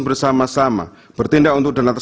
bersama sama bertindak untuk dan atas